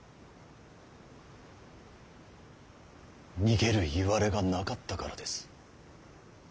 逃げるいわれがなかったからです。